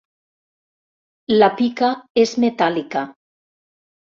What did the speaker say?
La pica és metàl·lica.